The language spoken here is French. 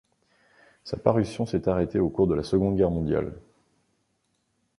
Sa parution s'est arrêtée au cours de la Seconde Guerre mondiale.